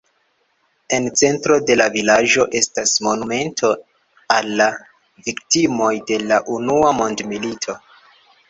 En centro de la vilaĝo estas monumento al la viktimoj de la unua mondmilito.